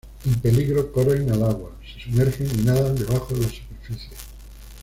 En peligro corren al agua, se sumergen y nadan debajo la superficie.